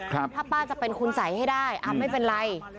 ถ้าป้าจะเป็นคุณสัยให้ได้ไม่เป็นไร